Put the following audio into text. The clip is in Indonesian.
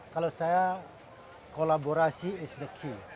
kalau saya kolaborasi adalah kunci